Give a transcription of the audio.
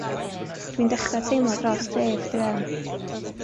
Dw i'n dechrau teimlo dros Dave druan.